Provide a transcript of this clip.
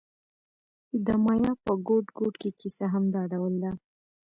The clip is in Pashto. د مایا په ګوټ ګوټ کې کیسه همدا ډول ده.